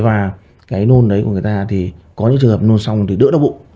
và cái nôn đấy của người ta thì có những trường hợp nôn xong thì đỡ nó bụng